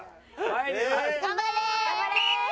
頑張れ！